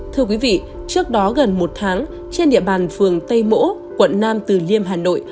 thưa quý vị trước đó gần một tháng trên địa bàn phường tây mỗ quận nam từ liêm hà nội